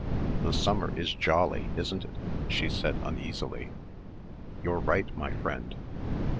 "The summer is jolly, isn't it?" she said uneasily. "You're right, my friend.